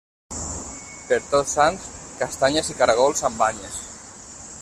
Per Tots Sants, castanyes i caragols amb banyes.